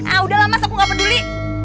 ah udahlah mas aku gak peduli